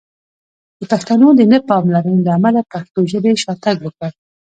د پښتنو د نه پاملرنې له امله پښتو ژبې شاتګ وکړ!